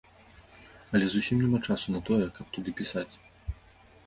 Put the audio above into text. Але зусім няма часу на тое, каб туды пісаць!